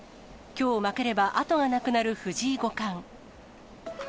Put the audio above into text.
きょう負ければあとがなくなる藤井五冠。